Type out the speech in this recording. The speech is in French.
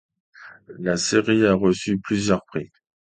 La série a reçu plusieurs prix.